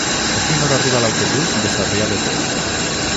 A quina hora arriba l'autobús de Sarrià de Ter?